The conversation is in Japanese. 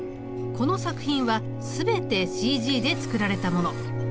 この作品は全てＣＧで作られたもの。